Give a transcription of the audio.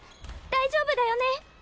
大丈夫だよね？